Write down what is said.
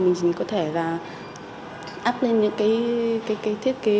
mình chỉ có thể là áp lên những cái thiết kế